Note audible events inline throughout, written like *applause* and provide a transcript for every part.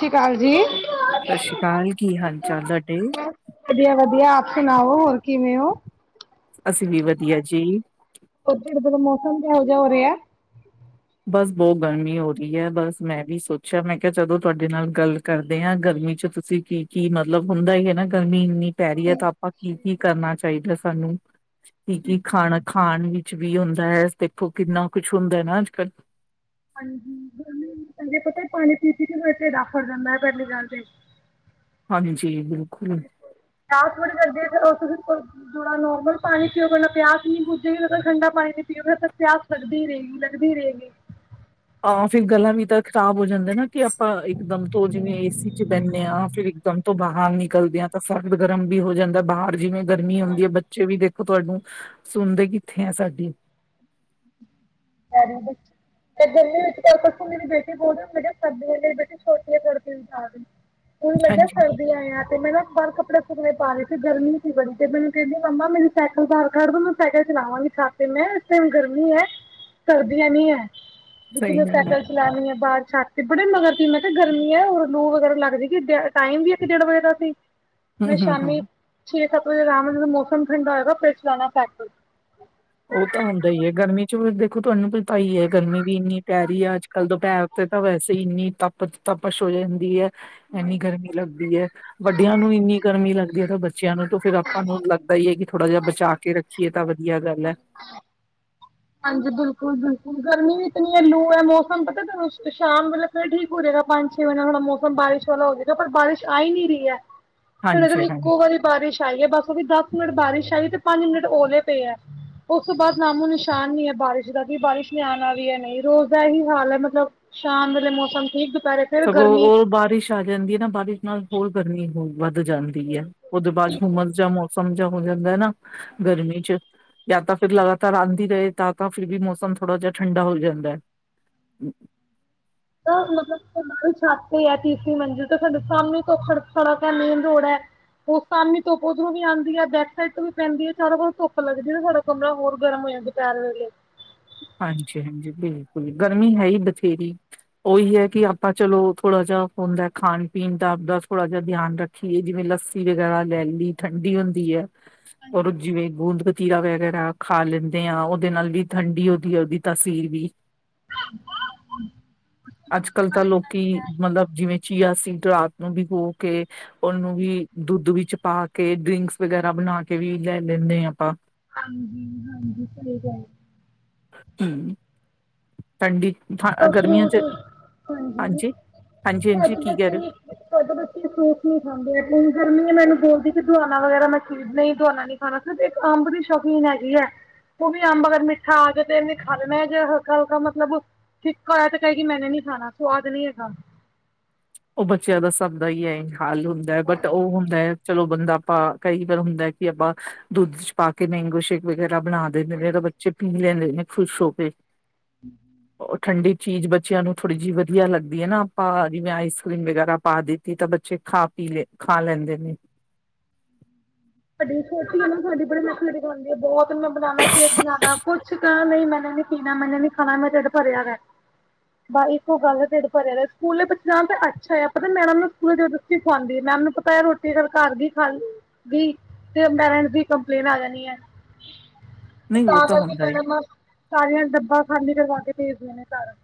ਸਤਿ ਸ਼੍ਰੀ ਅਕਾਲ ਜੀ। ਸਤਿ ਸ਼੍ਰੀ ਅਕਾਲ ਕੀ ਹਾਲ ਚਾਲ ਤੁਹਾਡੇ। ਵਧੀਆ ਵਧੀਆ, ਆਪ ਸੁਣਾਓ ਹੋਰ ਕਿਵੇਂ ਓ? ਅਸੀਂ ਵੀ ਵਧੀਆ ਜੀ। ਉਹ ਜਿੜ ਜਦੋਂ ਮੌਸਮ ਕਿਹੋ ਜਿਹਾ ਹੋ ਰਿਆ। ਬਸ ਬਹੁਤ ਗਰਮੀ ਹੋ ਰਹੀ ਐ, ਬਸ ਮੈਂ ਵੀ ਸੋਚਿਆ ਮੈਂ ਕਿਹਾ ਜਦੋਂ ਤੁਹਾਡੇ ਨਾਲ ਗੱਲ ਕਰਦੇ ਆਂ, ਗਰਮੀ ਚ ਤੁਸੀਂ ਕੀ ਕੀ ਮਤਲਬ ਹੁੰਦਾ ਈ ਐ ਨਾਂ ਗਰਮੀ ਨੀ ਪੈ ਰਹੀ ਹੈ ਤਾਂ ਆਪਾਂ ਕੀ ਕੀ ਕਰਨਾ ਚਾਹੀਦਾ ਸਾਨੂੰ ਕੀ ਕੀ ਖਾਣਾ ਖਾਣ ਵਿੱਚ ਵੀ ਹੁੰਦਾ ਹੈ ਦੇਖੋ ਕਿੰਨਾ ਕੁਛ ਹੁੰਦਾ ਹੈ ਨਾ ਅੱਜ ਕੱਲ ਹਾਂਜੀ ਕਹਿੰਦੇ ਪਤਾ ਹੀ ਪਾਣੀ ਪੀ ਪੀ ਕੇ ਢਿੱਡ ਆਫਰ ਜਾਂਦਾ ਪਹਿਲੀ ਗੱਲ ਤੇ ਹਾਂਜੀ ਬਿਲਕੁਲ ਠੀਕ *unintelligible* ਕਰਦੇ ਫੇਰ ਥੋੜਾ ਨੋਰਮਲ ਪਾਣੀ ਪੀਓਗੇ ਨਾ ਪਿਆਸ ਨਹੀਂ ਬੁਜੇਗੀ ਨਾ ਠੰਡਾ ਪਾਣੀ ਪੀਓਗੇ ਤ ਪਿਆਸ ਲੱਗਦੀ ਰਹੇਗੀ ਲੱਗਦੀ ਰਹੇਗੀ ਆਂ ਫਿਰ ਗਲਾਾਂ ਵੀ ਤਾਂ ਖ਼ਰਾਬ ਹੋ ਜਾਂਦਾ ਨਾ ਕਿ ਆਪਾਂ ਇਕ ਦਮ ਤੋਂ ਜਿਵੇਂ ਏਸੀ ਚ ਬਹਿੰਨਦੇ ਹਾਂ ਫਿਰ ਮ ਤੋਂ ਬਾਹਰ ਨਿਕਲਦੇ ਆ ਤਾਂ ਸਰਰਦ ਗਰਮ ਵੀ ਹੋ ਜਾਂਦਾ ਬਾਹਰ ਜਿਵੇਂ ਗਰਮੀ ਆਉਂਦੀ ਹੈ ਬੱਚੇ ਵੀ ਦੇਖੋ ਤੁਹਾਨੂੰ ਸੁਣਦੇ ਕਿੱਥੇ ਹੈ ਸਾਡੀ *unintelligible* ਮ ਗਰਮੀ ਵਿੱਚ ਮੇਰੀ ਬੇਟੀ ਬੋਲਦੇ ਸਰਦੀ ਮੇਰੀ ਬੇਟੀ ਛੋਟੀ *unintelligible* ਜਾ ਹਨ ਮਜ਼ਾ ਹਾਂਜੀ *unintelligible* ਆ ਤੇ ਮੈਂ ਨਾ ਬਾਹਾਰ ਕੱਪੜੇ ਸੁੱਕਨੇ ਪਾ ਲ ਤੇ ਗਰਮੀ ਸੀ ਬੜੀ ਤੇ ਮੈਨੂੰ ਕਹਿੰਦੀ ਮੰਮਾ ਮੈਰੀ ਸਾਈਕਲ ਬਾਹਰ ਕਢ ਦਿਓ ਮੈ ਸਾਈਕਲ ਚਲਾਵਾਂਗੀ ਸ਼ਤ ਤੇ ਮੈਂ ਕਿਹਾ ਇਸ ਟਾਈਮ ਗਰਮੀ ਐ ਸਰਦੀਆਂ ਨੀ ਹੈ ਜ ਸਹੀ ਗੱਲ ਹੈ ਸੈਕਲ ਲੈਣੀ ਆ ਬਾਰ ਛਤ ਤੇ ਬੜੀ ਮਗਰ ਪਈ ਦੀ ਮੈਂ ਕਿਹਾ ਗਰਮੀ ਏ ਲੋ ਵਗੈਰਾ ਲੱਗਦੀ ਕਿ ਟਾਈਮ ਵੀ ਇਕ ਡੇਢ ਵਜੇ ਦਾ ਸੀ *unintelligible* ਮੈਂ ਸ਼ਾਮੀ ਹਮ ਛੇ ਸੱਤ ਵਜੇ ਅਰਾਮ ਨਾਲ ਜਦੋਂ ਮੌਸਮ ਠੰਡਾ ਹੋਏਗਾ ਫੇਰ ਚਲਾਉਣਾ ਸਾਈਕਲ ਉਹ ਤਾਂ ਹੁੰਦਾ ਈ ਐ ਗਰਮੀ ਚ ਦੇਖੋ ਤੁਹਾਨੂੰ ਪਤਾ ਈ ਏ ਗਰਮੀ ਵੀ ਇੰਨੀ ਪੈ ਰਹੀ ਐ ਅੱਜ ਕੱਲ੍ਹ ਦੁਪਿਹਰ ਤੇ ਤਾਂ ਵੈਸੇ ਹੀ ਇੰਨੀ ਤਾਪ ਤਪਸ਼ ਹੋ ਜਾਂਦੀ ਏਹ ਇੰਨੀ ਗਰਮੀ ਲੱਗਦੀ ਹੈ ਵੱਡਿਆਂ ਨੂੰ ਇੰਨੀ ਗਰਮੀ ਲੱਗਦੀ ਹੈ ਤਾਂ ਬੱਚਿਆਂ ਨੂੰ ਤਾਂ ਫੇਰ ਆਪਾਂ ਨੂੰ ਲੱਗ ਪਤਾ ਹੀ ਹੈ ਕਿ ਥੋੜ੍ਹਾ ਜਿਹਾ ਬਚਾ ਕੇ ਰੱਖੀਏ ਤਾਂ ਵਧੀਆ ਗੱਲ ਹੈ ਹਾਂਜੀ ਬਿਲਕੁਲ ਬਿਲਕੁਲ ਗਰਮੀ ਵੀ ਇਤਨੀ ਹੈ ਲੂ ਹੈ ਮੌਸਮ ਪਤਾ ਸ਼ਾਮ ਵੇਲ ਠੀਕ ਹੋ ਜਾਏਗਾ ਪੰਜ ਛੇ ਮਹੀਨਾ ਥੋੜਾ ਮੌਸਮ ਬਾਰਿਸ਼ ਵਾਲਾ ਹੋਵੇਗਾ ਪਰ ਬਾਰਿਸ਼ ਆ ਹੀ ਨੀ ਰਹੀ ਏ ਹਾਂਜੀ *unintelligible* ਹਾਂਜੀ ਇੱਕੋ ਵਾਰੀ ਬਾਰਿਸ਼ ਆਈ ਹੈ ਬਸ ਉਹ ਵੀ ਦਸ ਮਿੰਟ ਬਾਰਿਸ਼ ਆਈ ਤੇ ਪੰਜ ਮਿੰਟ ਓਲੇ ਪਏ ਹੈ ਉਸ ਤੋਂ ਬਾਅਦ ਨਾਮੋ ਨ ਨੁਕਸਾਨ ਨ ਹੈ ਬਾਰਿਸ਼ ਦਾ ਵੀ ਬਾਰਿਸ਼ ਨ ਆਉਣਾ ਵੀ ਹੈ ਨਹੀਂ ਰੋਜ਼ ਦਾ ਇਹੀ ਹਾਲ ਹੈ ਮਤਲਬ ਸ਼ਾਮ ਵਾਲੇ ਮੌਸਮ ਠੀਕ ਦੁਪਹਿਰੇ ਫਿਰ ਸਗੋਂ ਗਰਮੀ ਉਹ ਬਾਰਿਸ਼ ਆ ਜਾਂਦੀ ਹੈ ਨਾ ਬਾਰਿਸ਼ ਨਾਲ ਹੋਰ ਗਰਮੀ ਹੋ ਵੱਧ ਜਾਂਦੀ ਹੈ ਉਹਦੇ ਬਾਅਦ ਹੁੰਮਸ ਜਾ ਮੌਸਮ ਜਾ ਹੋ ਜਾਂਦਾ ਹੈ, ਨਾ ਗਰਮੀ ਚ ਜਾਂ ਤਾਂ ਫਿਰ ਲਗਾਤਾਰ ਆਦੀ ਰਹੇ ਤਾਂ ਤਾਂ ਫਿਰ ਵੀ ਮੌਸਮ ਥੋੜਾ ਜਿਹਾ ਠੰਡਾ ਹੋ ਜਾਂਦਾ ਹੈ। ਤਾਂ ਮਤਲਬ ਛਾਤੇ ਹੈ ਤੀਸਰੀ ਮੰਜਿਲ ਤੇ ਸਾਡੇ ਸਾਹਮਣੇ ਤੋਂ ਸੜਕ ਹੈ ਮੇਨ ਰੋਡ ਹੈ, ਉਹ ਸਾਮੀ ਵੀ ਆਂਦੀ ਹੈ, ਬੈਕ ਸਾਈਡ ਤੋਂ ਵੀ ਪੈਂਦੀ ਸਡਾ ਕੋਲ ਧੁੱਪ ਲੱਗਦੀ। ਕਮਰਾ ਹੋਰ ਗਰਮ ਹੋ ਜਾਂ ਦੁਪਹਿਰ ਵੇਲੇ, ਹਾਂਜੀ-ਹਾਂਜੀ, ਬਿਲਕੁਲ ਗਰਮੀ ਹੈ ਹੀ ਬਥੇਰੀ। ਉਹੀ ਹੈ ਕਿ ਆਪਾਂ, ਚਲੋ ਥੋੜ੍ਹਾ ਜਿਹਾ ਹੁੰਦਾ ਖਾਣ- ਪੀਣ ਦਾ ਆਪਦਾ ਥੋੜ੍ਹਾ ਜਿਹਾ ਧਿਆਨ ਰੱਖ। ਖੀ ਜਿਵੇਂ ਲੱਸੀ ਵਗੈਰਾ ਲੈ ਆਉਂਦੀ ਠੰਡੀ ਹੁੰਦੀ ਹੈ। ਰ ਜਿਵੇਂ ਗੂੰਦ -ਪਤੀਰਾ ਵਗੈਰਾ ਖਾ ਲੈਂਦੇ ਆ। ਉਹਦੇ ਨਾਲ ਵੀ ਠੰਡੀ ਉਹਦੀ ਤਸੀਰ ਵੀ, *unintelligible* ਅੱਜ-ਕੱਲ- ਤਾਂ ਲੋਕੀ ਮਤਲਬ ਜਿਵੇਂ ਚੀਆ ਸੀਡ ਰਾਤ ਨੂੰ ਭੀਗੋ ਕੇ ਉਹਨੂੰ ਵੀ ਦੁੱਧ ਵਿੱਚ ਪਾ ਕੇ ਡਰਿੰਕਸ ਵਗੈਰਾ ਬਣਾ ਕੇ ਵੀ ਲੈ ਲੈਂਦੇ ਹਾਂ ਆਪਾਂ ਹਾਂਜੀ ਹਾਂਜੀ ਸਹੀ ਗੱਲ *unintelligible* ਠੰਡੀ ਗਰਮੀਆਂ ਫਰੂਟ ਚ ਹਾਂਜੀ ਹਾਂਜੀ-ਹਾਂਜੀ-ਹਾਂਜੀ, ਸਾਡੇ ਕੀ ਕਹਿ ਬੱਚੇ ਰਹੇ ਓ? ਵੀ *unintelligible* ਸਾਡੇ ਬੱਚੇ ਬਸ ਫਰੂਟ ਖਾਂਦੇ ਆ ਪਈ ਗਰਮੀ ਹੈ, ਮੈਨੂੰ ਬੋਲਦੀ ਕਿ ਹਦਵਾਣਾ ਵਗੈਰਾ ਮੈਂ ਚੀਜ਼ ਨਹੀਂ ਦਵਾਣਾ ਨਹੀਂ। ਹ ਇੱਕ ਅੰਬ ਦੀ ਸ਼ੋਪਿੰਨ ਹੈਗੀ ਏ ਉਹ ਵੀ ਅੰਬ ਅਗਰ ਮਿੱਠਾ ਆ ਜਾ ਤੇ ਇਹਨੇ ਖਾ ਲੈਣਾ ਹੈ ਜੇ ਹਲਕਾ ਹਲਕਾ ਮਤਲਬ ਫਆ ਤੇ ਕਹਿਗੀ ਮੈਨੇ ਨੀ ਖਾਣਾ। ਸਵਾਦ ਨੀ ਹੈਗਾ। ਉਹ ਬੱਚਿਆਂ ਦਾ ਸਭ ਦਾ ਹੀ ਐ ਹਾਲ ਹੁੰਦਾ ਹੈ ਬਟ ਉਹ ਹੁੰਦਾ, ਹੈ ਚਲੋ ਬੰਦਾ ਆਪਾਂ ਕਈ ਵਾਰ ਹੁੰਦਾ। ਆਪਾਂ ਦੁੱਧ ਚ' ਪਾ ਕੇ ਮੇਗੋ ਸ਼ੇਕ ਵਗੈਰਾ ਬਣਾ। ਮੇ ਤਾਂ ਬੱਚੇ ਪੀ ਲੈਂਦੇ ਨੇ ਖੁਸ਼ ਹੋ ਕੇ। ਠੰਡੀ ਚੀਜ਼ ਬੱਚਿਆਂ ਨੂੰ ਥੋੜ੍ਹੀ ਜਿਹੀ ਵਧੀਆ ਲਗਦੀ ਹੈ ਨਾ ਆਪਾਂ ਜਿਵੇਂ ਆਈ। ਰੀਮ ਵਗੈਰਾ ਪਾ ਦਿੱਤੀ ਤਾਂ ਬੱਚੇ ਖਾ- ਪੀ ਲ ਖਾ ਲੈਂਦੇ ਨੇ। ਤੁਹਾਡੀ ਛੋਟੀ ਗ ਤੁ ਸਾਡੀ ਬੜੇ ਨੇਖਰੇ ਕਰਦੀ ਆ ਬਹੁਤ ਮੈ ਬਨਣਾ ਸ਼ੇਕ ਬਣਾਣਾ ਕੁਛ ਕੁ ਕਿਹਾ ਨਹੀਂ ਮੈਨੇ ਨੀਣਾ, ਮੈਨ ਨੀ ਖਾਣਾ, ਮੈਂ ਤੇੇਡ ਭਰਿਆ ਹੈ। ਬਸ ਇੱਕੋ ਗੱਲ ਹੈ ਤੇਡ ਭਰਿਆ। ਸਕੂਲੇ ਬ ਤਾਂ ਅੱਛਾ ਆਪ ਮੈਡਮ ਨੂੰ ਸਕੂਲ ਖਾਂਦੀ ਮੈਂ ਮੈਨੂੰ ਪਤਾ ਹੈ ਰੋਟੀ ਫਿਰ ਘਰ ਦੀ ਖਾਂਦੀ ਤੇ ਪੈਰੈਂਟ ਦੀ ਕੰਪਲੇਨ ਆ ਜਾਣੀ ਹੈ ਨਹੀਂ ਉਹ ਤਾਂ ਕਰਕੇ ਹੁੰਦਾ ਹੀ ਕ ਸਾਰੀਆਂ ਡੱਬਾ ਖਾਲੀ ਕਰਵਾ ਕੇ ਭੇਜਦੇਆਂ ਨੇ ਸਾਰਾ।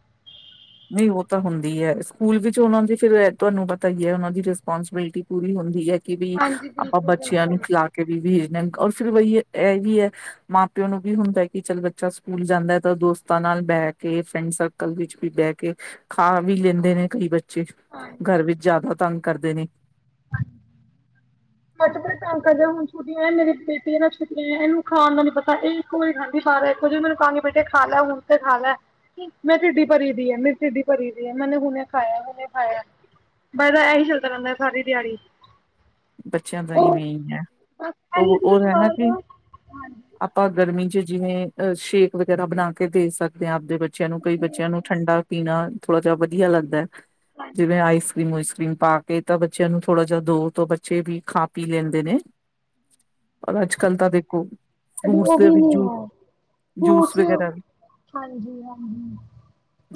ਨਹੀਂ, ਉਹ ਤਾਂ ਹੁੰਦੀ ਹੈ। ਸਕੂਲ ਵਿੱਚ ਉਹਨਾਂ ਦੀ ਫਿਰ ਤੁਹਾਨੂੰ ਪਤਾ ਹੀ ਹੈ ਉਹਨਾਂ ਦੀ ਰਿਸਪੋਂਸੀਬਿਲਿਟੀ ਪੂਰੀ ਹੁੰਦੀ ਹੈ। ਕਿ ਵੀ ਹਾਂਜੀ ਆਪਾਂ ਬਿਲਕੁਲ ਬਿਲਕੁਲ ਬੱਚਿਆਂ ਨੂੰ ਖਿਲਾ ਕੇ ਵੀ ਵੇਜ ਲ ਔਰ ਫਿਰ ਵਹੀ ਇਹ ਵੀ ਹੈ। ਮਾਂ -ਪਿਓ ਨੂੰ ਵੀ ਹੁੰਦਾ ਕਿ ਚੱਲ ਬੱਚਾ ਸਕੂਲ ਜਾਂਦਾ ਹੈ ਤਾਂ ਦੋਸਤਾਂ ਨਾਲ ਬਹਿ ਕੇ ਫਰੈਂਡ ਸਰਕਲ ਵਿੱਚ ਵੀ ਬਹਿ ਕੇ ਕੇ ਖਾ ਵੀ ਲੈਂਦੇ ਨੇ ਕਈ ਬੱਚੇ, ਘਰ ਵਿੱਚ ਜ਼ਿਆਦਾ ਤੰਗ ਕਰਦੇ ਨੇ। ਘਰ ਬੜਾਤੰਗ ਕਰਦੇ ਹੈ। ਹੁਣ ਛੁੱਟੀਆਂ ਮੇਰੀ ਬੇਟੀਆਂ ਨਾਲ ਛੁੱਟੀਆਂ ਇਹਨੂੰ ਖਾਣ ਦਾ ਨੀ ਪਤਾ ਇਹ ਕੋਈ ਗੱਲ ਨਹੀਂ। ਮੈ ਕਿਹਾ ਗੀ। ਹੁਣ ਥ ਖਾ ਲੈ, ਹੁਣ ਤੇ ਖਾ ਲੈ। ਮੈਂ ਢਿਡੀ ਭਰੀ ਦੀ ਹੈ। ਮੇਰੀ ਢਿਡੀ ਭਰੀ ਦੀ ਹੈ। ਮੈੇ ਹੁਣੇ ਖਾਇਆ, ਹੁਣੇ ਖਾਇਆ। ਬਸ ਤਾਂ ਇਹੀ ਚੱਲਦਾ ਰਹਿੰਦਾ ਸਾਰੀ ਦਿਹਾੜੀ। ਬੱਚਿਆਂ ਦਾ ਇਵੇਂ ਹੀ ਹੈ ਬਸ ਇਹੀ ਉਹ ਉਹ ਜਿਹੜੀ ਹੈ ਨਾ ਬਾਹਰ ਕਿ, ਦਾ ਆਪਾਂ ਗਰਮੀ ਚ' ਜਿਵੇਂ ਅ ਸ਼ੇਕ ਵਗੈਰਾ ਬਣਾ ਕੇ ਦੇ ਸਕਦੇ ਹਾਂ। ਆਪਦੇ, ਬੱਚਿਆਂ ਨੂੰ ਕਈ ਬੱਚਿਆਂ ਨੂੰ ਠੰਡਾ ਪੀਣਾ, ਥੋੜਾ ਜਹਾ ਵਧੀਆ ਲੱਗਦਾ ਹੈ। ਜਿਵੇਂ ਆਈਸ ਕਰ੍ਰੀਮ- ਉਈਸ ਕਰ੍ਰੀਮ ਪਾ ਕੇ ਤਾਂ ਬੱਚਿਆਂ ਨੂੰ ਥੋੜਾ ਜਿਹਾ ਦੋ ਤੋਂ ਬੱਚੇ ਵੀ ਖਾ- ਪੀ ਲੈਂਦੇ ਨੇ। ਔਰ ਅੱਜ-ਕੱਲ੍ਹ ਤਾਂ ਦੇਖੋ। ਸਾਡੀ ਫਰੂਟਸ ਉਹ ਦੇ ਵੀ ਨੀ ਜੂ ਹੈ। ਜੂਸ ਹ ਵਗੈਰਾ ਵੀ ਹਾਂਜੀ-ਹਾਂਜੀ।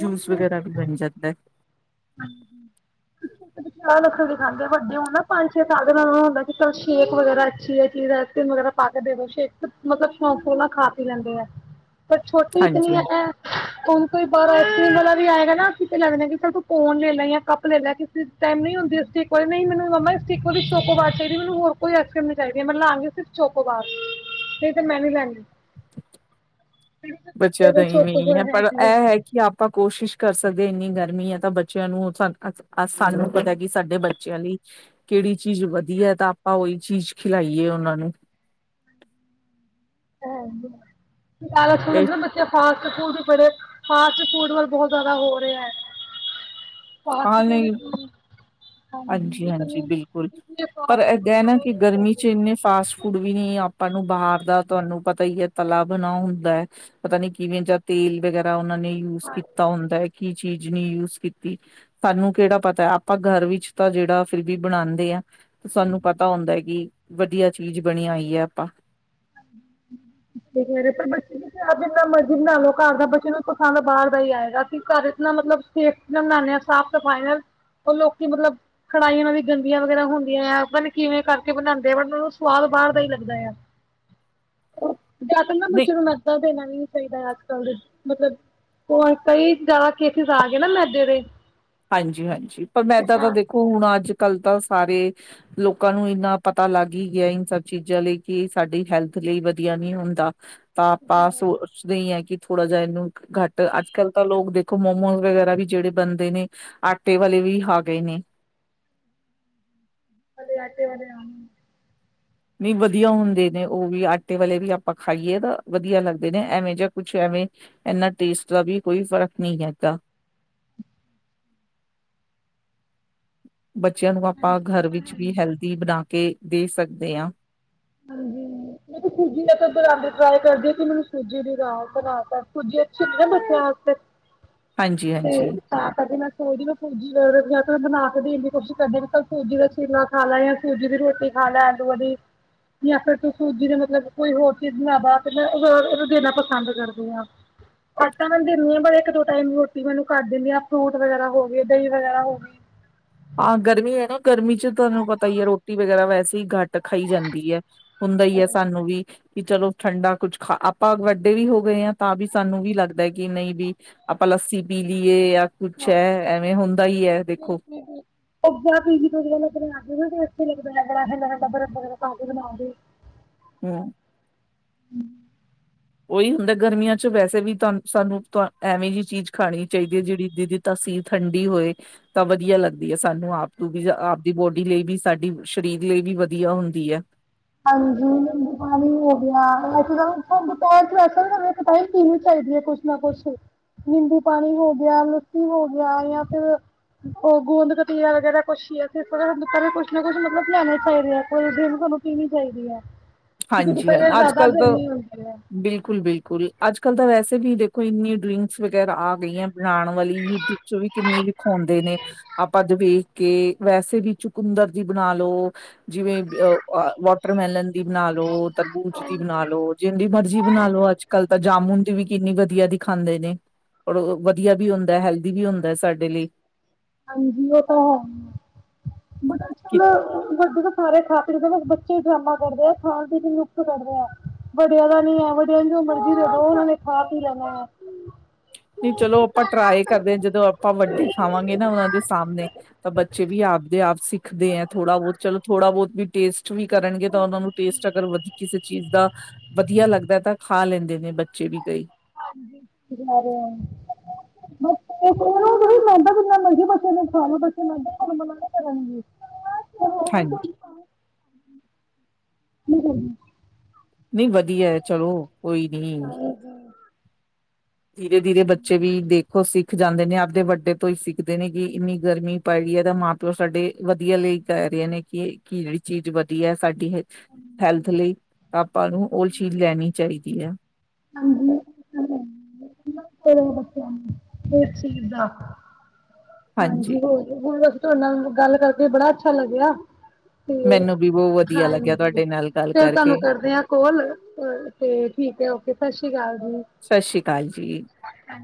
ਜੂਸ ਵਗੈਰਾ ਵੀ ਬਣ ਜਾਂਦਾ। ਹੂੰ, *inaudible* ਚ' ਨਖੇਣ ਦਿਖਾਂਦੇ ਆ। ਵੱਡੇ ਹੁਣ ਨਾ ਪੰਜ- ਛੇ ਸਾਲ ਦੇ ਨਾਲ ਹੁੰਦਾ ਕਿ ਚੱਲ ਸ਼ੇਕ ਵਗੈਰਾ ਅੱਛੀ ਹੈ ਚੀਜ਼ ਤੇ ਮਗਰ। ਪੱਕਦੇ ਵੀ ਹੈ। ਇੱਕ ਮਤਲਬ, ਸ਼ੌਕ ਨਾਲ ਖਾ-ਪੀ ਲੈਂਦੇ ਆ। *inaudible* ਪਰ ਛੋਟੀ ਹਾਂਜੀ ਇੰਨੀ ਹਾਂਜੀ ਹੈ। ਹੁਣ ਕੋਈ ਬਾਹਰ ਆਈਸਕ੍ਰੀਮ ਵਾਲਾ ਵੀ ਆਏਗਾ ਨਾ, ਤਾਂ ਲੱਗਦਾ ਸੋਚਾਂਗੇ ਕਿ ਕੋਈ ਲੈ ਲਵੇ ਜਾਂ ਕੱਢ ਲਵੇ, *inaudible* ਕਿਸੇ ਕੋਲ ਟਾਈਮ ਨਹੀਂ ਹੁੰਦਾ। ਮੈਨੂੰ ਤਾਂ ਮੰਮੀ ਦੇ ਹੱਥਾਂ ਵਾਲੀ ਹੀ ਚਾਹੀਦੀ ਹੈ ਕੋਈ ਆਈਸ ਕਰੀਮ ਨੀ ਚਾਹੀਦੀ ਹੈ ਮੈ ਲਵਾਂਗੀ ਸਿਰਫ਼ ਚੋਕੋ ਬਾਰ, ਨਹੀਂ ਤੇ ਮੈਂ ਨੀ ਲੈਣੀ। ਬੱਚਿਆਂ ਦਾ ਮੇਰੇ ਇਵੇਂ ਹੀ ਹੈ, ਚੋਕੋਬਾਰ ਪਰ ਹੈਗੀ ਇਹ ਹੈ ਕਿ। ਕਿ ਆਪਾਂ ਕੋਸ਼ਿਸ਼ ਕਰ ਸਕਦੇ ਹਾਂ। ਇੰਨੀ ਗਰਮੀ ਹੈ ਤਾਂ ਬੱਚਿਆਂ ਨੂੰ ਸਾਨੂੰ ਪਤਾ ਕਿ ਸਾਡੇ ਬੱਚੇ। ਬੱਚਿਆਂ ਲਈ ਕਿਹੜੀ ਚੀਜ਼ ਵਧੀਆ ਤਾਂ ਆਪਾਂ ਉਹੀ ਚੀਜ਼ ਖਿਲਾਏ ਉਹਨਾਂ ਨੂੰ। *inaudible* ਇਹ ਫਾਸਟ- ਫੂਡ ਬੜੇ ਫਾਸਟ- ਫੂਡ ਵੱਲ ਬਹੁਤ ਜ਼ਿਆਦਾ ਹੋ ਰਿਹੇ ਨੇ। ਫਾਰਸ- ਫੂੜ ਚੁਲ ਹਾਂਜੀ-ਹਾਂਜੀ, ਬਿਲਕੁਲ ਲਈ ਪਰ ਫਾਸਟ ਇਹ ਫੂਡ ਕਹਿ ਨਾ ਖਾਣੇ ਕਿ ਨਹੀਂ ਗਰਮੀ ਚਾਹੀਦੇ ਚ' ਇੰਨੇ ਫਾਸਟ ਕੁਝ ਵੀ ਨ ਆਪਾਂ ਨੂੰ ਬਾਹਰ ਦਾ ਤੁਹਾਨੂੰ ਪਤਾ ਹੀ ਹੈ ਤਲਾ ਬਣਾ ਹੁੰਦਾ ਹੈ। ਪਤਾ ਨੀ ਕਿਵੇਂ ਜਾਂ ਤੇਲ ਵਗੈਰਾ, ਉਹਨਾਂ ਨੇ ਯੂਜ ਕੀਤਾ ਹੁੰਦਾ ਹੈ ਕੀ ਚੀਜ਼ ਨੀ ਯੂਜ ਕੀਤੀ। ਸਾਨੂੰ ਕਿਹੜਾ ਪਤਾ ਹੈ, ਆਪਾਂ ਘਰ ਵਿੱਚ ਤਾਂ ਜਿਹੜਾ ਫਿਰ ਵੀ ਬਣਾਦੇ ਆ ਤੇ ਸਾਨੂੰ ਪਤਾ। ਪਤਾ ਹੁੰਦਾ ਹੈ ਕਿ, ਆਪਾਂ ਵਧੀਆ ਚੀਜ਼ ਬਣਾਈ ਹੈ। *inaudible* ਪਰ ਬੱਚੇ, ਆਪਾਂ ਘਰ ਦਾ ਭਾਵੇਂ ਜਿੰਨਾ ਮਰਜ਼ੀ ਬਣਾ ਲਈਏ, ਬੱਚੇ ਨੂੰ ਤਾਂ ਬਾਹਰ ਦਾ ਹੀ ਚੰਗਾ ਲੱਗਦਾ ਹੈ। ਘਰ ਦਾ ਇੰਨਾ ਲੈਂਦੇ ਆਂ, ਸਾਫ਼-ਸਫ਼ਾਈ ਨਾਲ। ਉਹ ਲੋਕ ਵੀ ਮਤਲਬ ਕੜਾਈਆਂ ਉਹਨਾਂ ਦੀਆਂ ਗੰਦੀਆਂ ਵਗੈਰਾ ਹੁੰਦੀਆਂ ਆ ਆਪ ਕਿਵੇਂ ਕਰਕੇ ਬਣਾਉਂਦੇ ਆ ਬ ਉਹ ਨੂੰ ਸਵਾਦ ਬਾਹਰ ਦਾ ਹੀ ਲੱਗਦਾ ਆ। ਜਾ ਕੇ ਨਾ ਨਹੀਂ ਬੱਚੇ ਨੂੰ ਮੈਦਾ ਦੇਣਾ ਵੀ ਨਹੀ ਚਾਹੀਦਾ। ਅੱਜ-ਕੱਲ ਦੇ ਮਤਲਬ ਉਹ ਕਈ ਜਾਦਾਕੇਸੇਸ ਆ ਗਏ ਨਾ ਮੈਦੇ ਦੇਇ ਹਾਂਜ- ਹਾਂਜੀ, ਪਰ ਮੈਂਦਾ ਤਾਂ ਦੇਖੋ ਹੁਣ ਅੱਜ-ਕੱਲ੍ਹ ਤਾਂ ਸਾਰੇ। ਲੋਕਾਂ ਨੂੰ ਇੰਨਾ ਪਤਾ ਲੱਗ ਹੀ ਗਿਆ ਇਨ ਸਬ ਚੀਜ਼ਾਂ ਲਈ ਕਿ ਸਾਡੀ ਹੈਲਥ ਲਈ ਵਧੀਆ ਨਹੀਂ ਹੁੰਦਾ। ਤਾਂ ਤਾਂ ਸੂਰ। ਪੁਛਦੇ ਹੈ ਕਿ ਥੋੜਾ ਜਿਹਾ ਇਹਨੂੰ ਘੱਟ ਅੱਜ-ਕੱਲ ਤਾਂ ਲੋਕ ਦੇਖੋ ਮੋਮੋਜ ਵਗੈਰਾ ਵੀ ਜਿਹੜੇ ਬਣਦੇ ਨੇ। ਆਟੇ ਵਾਲੇ ਵੀ ਆ ਗਏ ਨੇ। ਕਦੇ ਆਟੇ ਵਾਲੇ ਆਣਾ। ਨਹੀ ਵਧੀਆ ਹੁੰਦੇ ਨੇ ਉਹ ਵੀ ਆਟੇ ਵਾਲੇ ਵੀ ਆਪਾਂ ਖਾਈਏ ਨਾ ਵਧੀਆ ਲੱਗਦੇ ਨੇ ਐਵੇਂ ਜਾਂ ਕੁਛ ਐਵੇਂ। ਇਨਾਂ ਟੇਸਟ ਦਾ ਵੀ ਕੋਈ ਫ਼ਰਕ ਨਹੀਂ ਹੈਗਾ। ਬੱਚਿਆਂ ਨੂੰ ਆਪਾਂ ਘਰ ਵਿੱਚ ਕਿ ਹੈਲਦੀ ਬਣਾ ਕੇ ਦੇ ਸਕਦੇ ਹਾਂ? *inaudible* ਮੈ ਸੂਜੀ ਦੇ ਬਣਾ ਟਰਾਈ ਕਰਦੀ ਕਿ ਮੈਨੂੰ ਸੂਜੀ ਦੀ ਬਣਾ ਤ ਸੂਜੀ ਅੱਛੀ ਨਾ ਬੱਚਿਆਂ ਵਾਸਤੇ। *inaudible* ਹਮ ਹਾਂਜੀ ਤਾਂ ਕਰਕੇ ਮੈਂ ਸੂਜੀ ਨੂੰ ਕਲੈਟ *inaudible* ਰ ਬਣਾ ਕੇ ਵੀ ਇੰਨੀ ਸਬਜੀ ਤੁਹਾਡੇ ਵਾਲ ਕੱਲ ਪੇਜ ਦੀ ਬਸ। ਚੀਲਾ ਖਾ ਲੈ ਜਾਂ ਸੂਜੀ ਦੀ ਰੋਟੀ ਖਾ ਲੈ ਆਲੂ ਵਾਲੀ। ਜਾਂ ਫੇਰ ਤੁਸੀਂ ਜ ਮਤਲਬ ਕੋਈ ਹੋਰ ਚੀਜ਼ ਬਣਾਦਾ ਉਹ ਦੇਣਾ ਪਸੰਦ ਕਰਦੀ ਹਾਂ। ਆਟਾ ਮੈਂ ਦੇਨੀ ਆ ਪਰ ਇੱਕ-ਦੋ ਟਾਈਮ ਰੋਟੀ ਮੈ ਇਨੂੰ ਕੱਟ ਦਿੰਦੀ ਹਾਂ ਫਰੂਟ ਵਗੈਰਾ ਹੋ ਗਏ, ਦਹੀਂ ਵਗੈਰਾ ਹੋ ਗਈ। ਹਾਂ ਗਰਮੀ ਹੈ ਨਾ, ਗਰਮੀ ਚ ਤੁਹਾਨੂੰ ਪਤਾ ਹੀ ਹੈ ਰੋਟੀ ਵਗੈਰਾ ਵੈਸੇ ਹੀ ਘੱਟ ਖਾਈ ਜਾਂਦੀ ਹੈ। ਹੁੰਦਾ ਹੀ ਹੈ ਸਾਨੂੰ ਵੀ। ਕਿ ਚਲੋ ਠੰਡਾ ਕੁੱਛ ਖਾ ਆਪਾਂ ਵੱਡੇ ਵੀ ਹੋ ਗਏ ਹਾਂ ਤਾਂ ਵੀ ਸਾਨੂੰ ਵੀ ਲੱਗਦਾ ਕਿ ਨਹੀਂ ਵੀ। ਆਪਾਂ ਲੱਸੀ ਪੀ ਲਈਏ, ਜਾਂ ਕੁਛ ਹੈ ਐਵੇਂ ਹੁੰਦਾ ਹੀ ਹੈ ਦੇਖੋ। *unintelligible* ਹਾਂ। ਹਮ ਉਹੀ ਹੁੰਦਾ, ਗਰਮੀਆਂ ਚ ਵੈਸੇ ਵੀ ਤੁਹਾਨੂੰ ਸਾਨੂੰ ਐਵੇਂ ਜਿਹੀ ਚੀਜ਼ ਖਾਣੀ ਚਾਹੀਦੀ ਹੈ ਜਿਹੜੀ ਦੀ-ਦੀ। ਤਾਸੀਰ ਠੰਡੀ ਹੋਏ। ਤਾਂ ਵਧੀਆ ਲੱਗਦੀ ਹੈ ਸਾਨੂੰ ਆਪ ਨੂੰ ਵੀ ਆਪਦੀ ਬੋਡੀ ਲਈ ਵੀ ਸਾਡੀ ਸਰੀਰ ਲਈ ਵੀ ਵਧੀਆ ਹੁੰਦੀ ਹੈ। ਹਾਂਜੀ ਹੋ ਗਿਆ ਦੁਪਹਿਰ ਚ ਵੈਸਾ ਵੀ ਪਤਾਈ ਕਿਣੀ ਚਾਹੀਦੀ ਹੈ ਕੁਛ *inaudible* ਕੁੱਛ ਨਾ ਕੁੱਛ, ਨਿਬੂ ਪਾਣੀ ਹੋ ਗਿਆ, ਲੱਸੀ ਹੋ ਗਿਆ ਜਾਂ ਫੇਰ। ਉਹ ਗੂੰਦ ਕਤੀਰਾ ਵਗੈਰਾ ਕੁੱਛ ਹੀ ਵਾਂ ਕੁਛ ਨਾ ਕੁੱਛ ਮਤਲਬ ਲੈਣੇ ਚਾਹੀਦੇ ਆ ਕੋਈ ਜ ਦਿਨ ਤੁਹਾਨੂੰ ਪੀਣੀ ਚਾਹੀਦੀ ਹੈ। ਕਿਉਂਕਿ ਹਾਂਜੀ ਹਾਂ ਦੁਪਹਿਰੇ ਜ਼ਿਆਦਾ ਅੱਜ-ਕੱਲ ਤਾਂ, ਗਰਮੀ ਹੁੰਦੀ ਹੈ ਬਿਲਕੁਲ-ਬਿਲਕੁਲ। ਅੱਜ ਕੱਲ੍ਹ ਤਾਂ ਵੈਸੇ ਵੀ ਦੇਖੋ ਇੰਨੀ ਡਰਿੰਕਸ ਵਗੈਰਾ ਆ ਗਈਆਂ ਬਣਾਉਣ ਵਾਲੀ ਯੂਟਿਊਬ। ਵਿੱਚ ਵੀ ਕਿੰਨੀ ਵਿਖਾਉਂਦੇ ਨੇ। ਆਪਾਂ ਤਾਂ ਵੇਖ ਕੇ ਵੈਸੇ ਵੀ ਚੁਕੁੰਦਰ ਦੀ ਬਣਾ ਲੋ। ਜਿਵੇਂ ਅ ਵਾਟਰਮੈਲਨ ਦੀ। ਬਣਾ ਲੋ ਤਰਬੂਜ਼ ਦੀ ਬਣਾ ਲੋ ਜਿੰਦੀ ਮਰਜ਼ੀ ਬਣਾ ਲੋ ਅੱਜ ਕੱਲ ਤਾਂ ਜਾਮੁਨ ਦੀ ਵੀ ਕਿੰਨੀ ਵਧੀਆ ਖਾਂਦੇ ਨੇ ਔਰ ਵਧੀਆ ਵੀ ਹੁੰਦਾ ਹੈਲਦੀ ਵੀ ਹੁੰਦਾ ਸਾਡੇ ਲਈ। ਹਾਂਜੀ ਉਹ ਤਾਂ ਹੈ, ਬਟ ਅੱਜ ਕਿ ਕੱਲ ਵੱਡੇ ਤਾਂ ਸਾਰੇ ਖਾ ਸਕਦੇ ਬੱਚੇ। ਕੀ ਡਰਾਮਾ ਕਰਦੇ ਆ ਖਾਣ ਪੀਣ ਚ ਨੁਕਸ ਕੱਢਦੇ ਆ। ਵੱਡਿਆਂ ਦਾ ਨੀ ਹੈ ਇਹੋ ਜਿਹਾ ਜੋ ਮਰਜ਼ੀ ਦੇ ਉਹਨਾਂ ਨੇ ਖਾ ਪੀ ਲੈਣਾ ਹੈ। ਨਹੀਂ ਚਲੋ ਆਪਾਂ ਟਰਾਏ ਕਰਦੇ ਹਾਂ ਜਦੋਂ ਆਪਾਂ ਵੱਡੇ ਖਾਵਾਂਗੇ ਨਾ ਉਹਨਾਂ ਦੇ ਸਾਹਮਣੇ। ਤਾਂ ਬੱਚੇ ਵੀ ਆਪਦੇ ਆਪ ਸਿੱਖਦੇ ਹੈ ਥੋੜ੍ਹਾ ਬਹੁਤ ਚਲੋ ਥੋੜਾ ਬਹੁਤ ਵੀ। ਟੇਸਟ ਵੀ ਕਰਨਗੇ ਤਾਂ ਉਹਨਾਂ ਨੂੰ ਟੇਸਟ ਅਗਰ ਵਧੀ ਕਿਸੇ ਚੀਜ਼ ਦਾ ਵਧੀਆ ਲੱਗਦਾ ਤਾਂ। ਪਾ ਲੈਂਦੇ ਨੇ ਬੱਚੇ ਵੀ ਕਈ। *unintelligible* *unintelligible* *unintelligible* *unintelligible* ਨਹੀਂ ਵਧੀਆ ਚਲੋ ਕੋਈ ਨੀ। ਹ ਧੀਰੇ-ਧੀਰੇ ਬੱਚੇ ਵੀ ਦੇਖੋ ਸੀ ਜਾਂਦੇ ਨੇ ਆਪਦੇ ਵੱਡੇ ਤੋਂ ਹੀ ਸਿੱਖਦੇ ਨੇ ਕਿ ਇੰਨੀ ਗਰਮੀ ਪੈ ਰਹੀ ਹੈ ਤਾਂ ਮਾਂ ਪਿਓ ਸਾਡੇ ਵਧੀਆ ਲਈ ਕਹਿ ਰਹੇ ਨੇ। ਕਿ ਕੇਹੇੜੀ ਚੀਜ਼ ਵਧੀਆ ਸਾਡੀ ਹੈਲਥ ਲਈ ਆਪਾਂ ਨੂੰ ਉਹ ਚੀਜ਼ ਲੈਣੀ ਚਾਹੀਦੀ ਆ। ਹਾਂਜੀ ਬੱਚਿਆਂ ਨੂੰ ਇਸ ਚੀਜ਼ ਦਾ ਹਾਂਜੀ ਹੋਰ ਹੁਣ ਬਸ ਤੁਹਾਡੇ ਨਾਲ ਗੱਲ ਕਰਕੇ ਬੜਾ ਅੱਛਾ ਲੱਗਿਆ। ਤੇ ਮੈਨੂੰ ਵੀ ਬਹੁਤ ਵਧੀਆ ਲੱਗਿਆ ਹਾਂਜੀ ਤੁਹਾਡੇ ਨਾਲ ਗੱਲ ਫੇਰ ਤੁਹਾਨੂੰ ਕਰਕੇ ਕਰਦੇ ਆ ਕੋਲ। ਤੇ ਠੀਕ ਹੈ ਓਕੇ ਸਤਿ ਸ੍ਰੀ ਅਕਾਲ ਜੀ। ਸਸ ਸ੍ਰੀ ਕਾਲ ਜੀ। ਹਾਂ